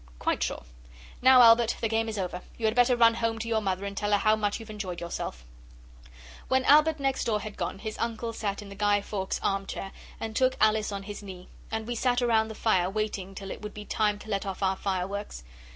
'Quite sure. Now, Albert, the game is over. You had better run home to your mother and tell her how much you've enjoyed yourself.' When Albert next door had gone his uncle sat in the Guy Fawkes armchair and took Alice on his knee, and we sat round the fire waiting till it would be time to let off our fireworks.